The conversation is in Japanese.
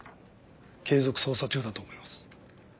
継続捜査中だと思います。